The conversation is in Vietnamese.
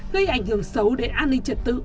gây ảnh hưởng xấu để an ninh trật tự